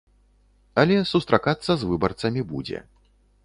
Але сустракацца з выбарцамі будзе.